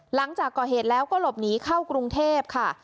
หลังจากก่อเหตุแล้วก็หลบหนีเข้ากรุงเทพค่ะ